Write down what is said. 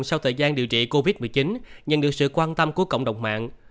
sau thời gian điều trị covid một mươi chín nhận được sự quan tâm của cộng đồng mạng